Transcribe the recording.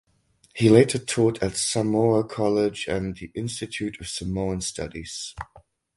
He later taught at Samoa College and the Institute of Samoan Studies.